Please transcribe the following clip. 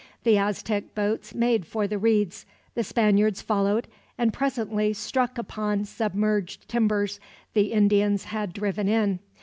The Aztec boats made for the reeds, the Spaniards followed, and presently struck upon submerged timbers the Indians had driven in.